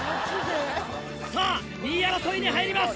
さぁ２位争いに入ります。